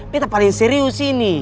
beta paling serius sih ini